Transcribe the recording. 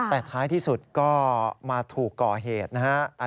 แต่ท้ายที่สุดก็มาถูกก่อเหตุนะฮะ